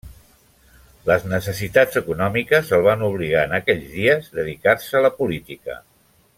Les necessitats econòmiques el van obligar en aquells dies dedicar-se a la política.